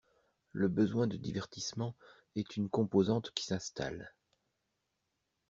Le besoin de divertissement est une composante qui s’installe.